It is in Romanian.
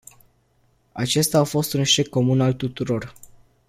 Acesta a fost un eșec comun al tuturor.